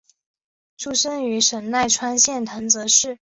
出身于神奈川县藤泽市。